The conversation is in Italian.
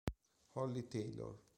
Ollie Taylor